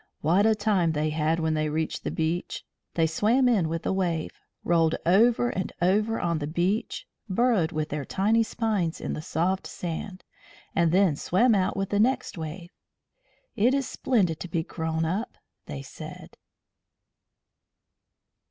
What a time they had when they reached the beach! They swam in with a wave, rolled over and over on the beach, burrowed with their tiny spines in the soft sand, and then swam out with the next wave. "It is splendid to be grown up," they said.